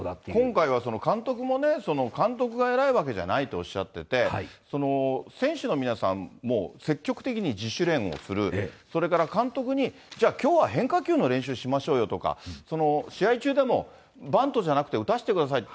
今回は監督もね、監督が偉いわけじゃないとおっしゃってて、選手の皆さんも積極的に自主練をする、それから監督に、じゃあきょうは変化球の練習しましょうよとか、試合中でも、バントじゃなくて打たせてください。